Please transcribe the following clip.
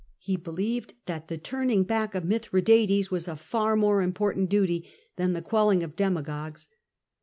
He believed that the turning back of Mithradates was a far more important duty than the quelling of demagogues.